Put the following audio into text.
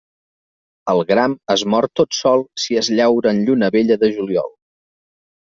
El gram es mor tot sol si es llaura en lluna vella de juliol.